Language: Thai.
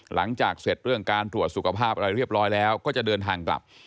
หลังจากเสร็จเรื่องการตรวจสุขภาพอะไรเรียบร้อยแล้วก็จะเดินทางกลับ